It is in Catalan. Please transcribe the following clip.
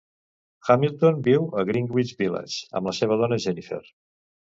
Hamilton viu a Greenwich Village amb la seva dona Jennifer.